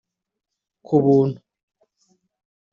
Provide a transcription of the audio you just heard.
ku buntu